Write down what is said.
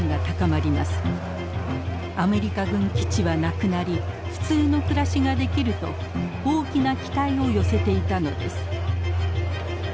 アメリカ軍基地はなくなり普通の暮らしができると大きな期待を寄せていたのです。